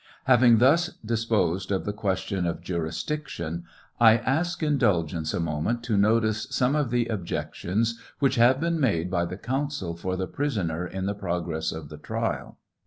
Having thus disposed of the question of jurisdiction, I ask indulgence a moment to notice some of the objections which have been made by the counsel for the prisoner in the progress of the trial.